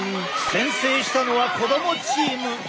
先制したのは子どもチーム！